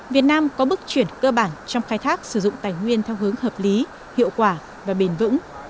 việt nam có bước chuyển cơ bản trong khai thác sử dụng tài nguyên theo hướng hợp lý hiệu quả và bền vững